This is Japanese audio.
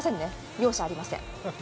容赦ありません。